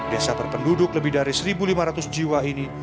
desa terpenduduk lebih dari satu lima ratus jiwa ini